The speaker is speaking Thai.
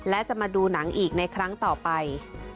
และจะมาดูหนังอีกในครั้งต่อไป